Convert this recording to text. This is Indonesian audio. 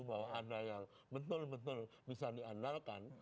bahwa ada yang betul betul bisa diandalkan